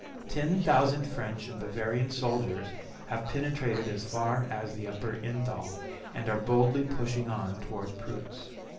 Ten thousand French and Bavarian soldiers have penetrated as far as the Upper Innthal, and are boldly pushing on towards Prutz.